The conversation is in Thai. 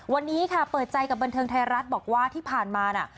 วันนี้ค่ะเปิดใจกับบันเทิงไทยรัฐบอกว่าที่ผ่านมาน่ะ